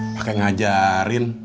pake ngajarin